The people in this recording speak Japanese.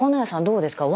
どうですか？